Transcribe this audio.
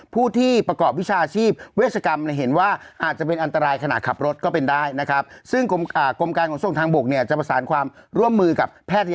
ผู้ที่ประกอบวิชาชีพเวชกรรมเห็นว่าอาจจะเป็นอันตรายขณะขับรถก็เป็นได้นะครับ